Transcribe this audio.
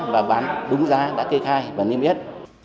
và bán đúng giá đã kê khai và niêm yết